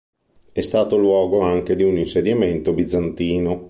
È stato luogo anche di un insediamento bizantino.